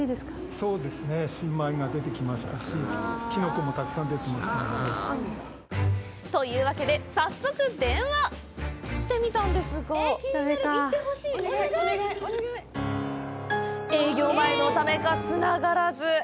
そうですね。というわけで、早速、電話してみたんですが営業前のためか、つながらず。